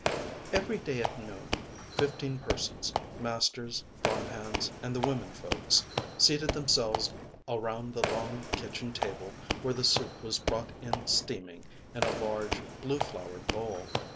Every day, at noon, fifteen persons, masters, farmhands and the women folks, seated themselves around the long kitchen table where the soup was brought in steaming in a large, blue flowered bowl.